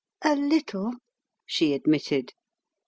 "A little," she admitted.